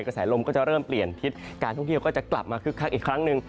กระแสลมก็จะเริ่มเปลี่ยนทิศการท่องเที่ยวก็จะกลับมาคึกคักอีกครั้งหนึ่ง